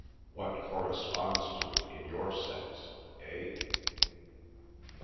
—what corresponds to it in your sex? Eh?"